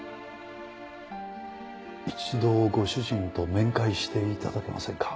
一度ご主人と面会して頂けませんか？